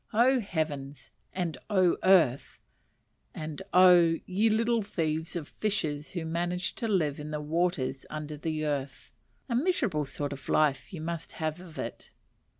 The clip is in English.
Oh, heavens! and oh, earth! and oh, ye little thieves of fishes who manage to live in the waters under the earth (a miserable sort of life you must have of it)!